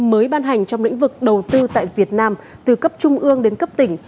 mới ban hành trong lĩnh vực đầu tư tại việt nam từ cấp trung ương đến cấp tỉnh